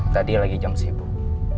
tadi lagi jam sibuk